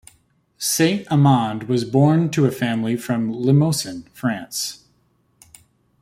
Saint Amand was born to a family from Limousin, France.